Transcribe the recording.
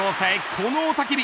この雄たけび。